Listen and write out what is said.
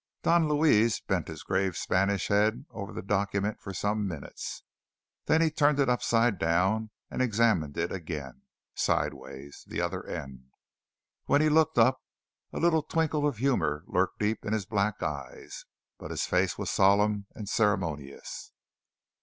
Don Luis bent his grave Spanish head over the document for some minutes. Then he turned it upside down and examined it again; sideways; the other end. When he looked up a little twinkle of humour lurked deep in his black eyes, but his face was solemn and ceremonious.